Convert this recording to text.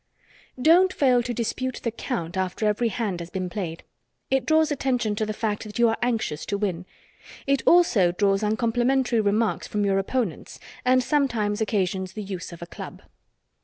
Don't fail to dispute the count after every hand has been played. It draws attention to the fact that you are anxious to win. It also draws uncomplimentary remarks from your opponents and sometimes occasions the use of a club.